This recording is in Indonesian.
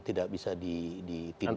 tidak bisa ditindak